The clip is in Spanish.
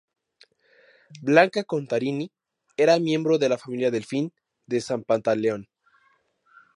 Blanca Contarini, era miembro de la Familia Delfín "de San Pantaleón".